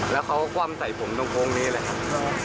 แล้วเขาก็พูดกว้ามใส่ผมตรงโค้งนี่เลยครับ